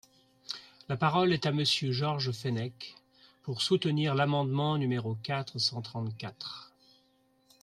La parole est à Monsieur Georges Fenech, pour soutenir l’amendement numéro quatre cent trente-quatre.